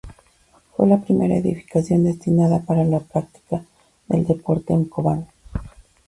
Fue la primera edificación destinada para la práctica del deporte en Cobán.